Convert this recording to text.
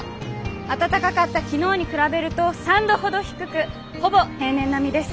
暖かかった昨日に比べると３度ほど低くほぼ平年並みです。